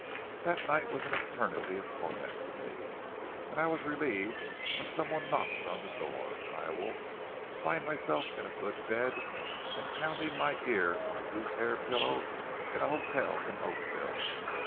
"That night was an eternity of torment to me, and I was relieved when some one knocked on the door, and I awoke to find myself in a good bed and pounding my ear on a goose hair pillow in a hotel in Oakville.